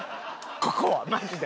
ここはマジで。